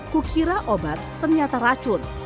kukira obat ternyata racun